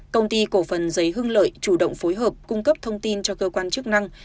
công ty cổ phần giấy hưng lợi chủ động phối hợp cung cấp thông tin cho cơ quan chức năng